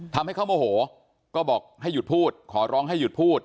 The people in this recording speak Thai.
ทำให้เขาโมโหก็บอกให้หยุดพูดขอร้องให้หยุดพูด